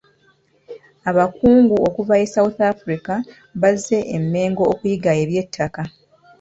Abakungu okuva e South Africa bazze e Mengo okuyiga eby'ettaka.